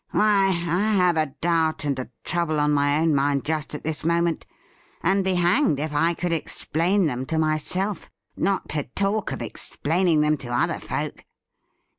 ' Why, I have a doubt and a trouble on my own mind just at this moment, and be hanged if I could explain them to myself, not to talk of explaining them to other folk.